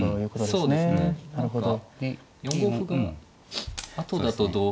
でなるほど。